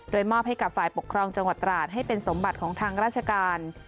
มอบให้กับฝ่ายปกครองจังหวัดตราดให้เป็นสมบัติของทางราชการ